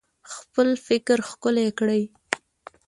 خپل فکر ښکلی کړئ